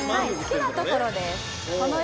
好きなところです